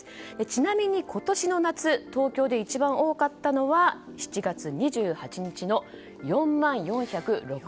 ちなみに今年の夏東京で一番多かったのは７月２８日の４万４０６人。